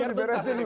itu dulu diberesin